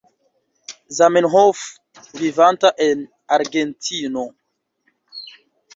Zamenhof, vivanta en Argentino.